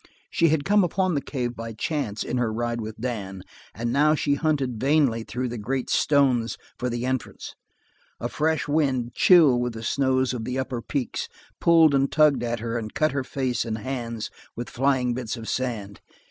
She had come upon the cave by chance in her ride with Dan, and now she hunted vainly through the great stones for the entrance. A fresh wind, chill with the snows of the upper peaks, pulled and tugged at her and cut her face and hands with flying bits of sand.